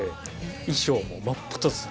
衣装も真っ二つで。